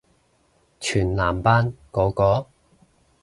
全男班嗰個？